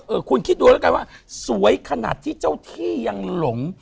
คุณคิดดูแล้วกันว่าสวยขนาดที่เจ้าที่ยังหลง